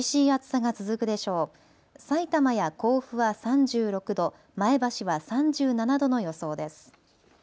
さいたまや甲府は３６度、前橋は３７度の予想です。